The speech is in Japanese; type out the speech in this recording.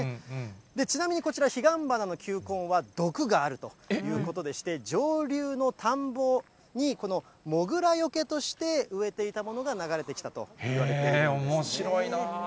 ちなみにこちら、彼岸花の球根は毒があるということでして、上流の田んぼにモグラよけとして植えていたものが流れてきたといおもしろいな。